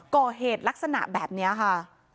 ก่อเหตุลักษณะแบบนี้ค่ะ